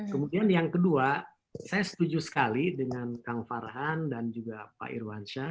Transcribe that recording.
kemudian yang kedua saya setuju sekali dengan kang farhan dan juga pak irwansyah